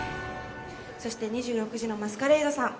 「そして２６時のマスカレイドさん。